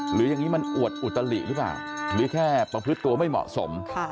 หรืออย่างนี้มันอวดอุตลิหรือเปล่าหรือแค่ประพฤติตัวไม่เหมาะสม